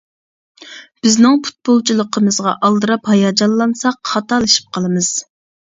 بىزنىڭ پۇتبولچىلىقىمىزغا ئالدىراپ ھاياجانلانساق خاتالىشىپ قالىمىز.